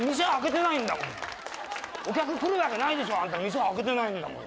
お客来るわけないでしょあんた店開けてないんだもの。